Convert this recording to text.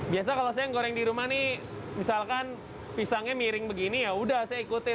biasa kalau saya goreng di rumah nih misalkan pisangnya miring begini yaudah saya ikutin